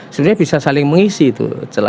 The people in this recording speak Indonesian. sebenarnya bisa saling mengisi itu